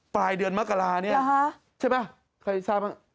ปลายเดือนมกราเนี่ยใช่ไหมใครทราบ